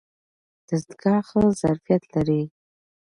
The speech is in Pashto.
دستګاه ښه ظرفیت لري.